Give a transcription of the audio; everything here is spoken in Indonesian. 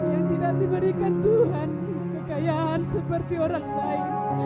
yang tidak diberikan tuhan kekayaan seperti orang lain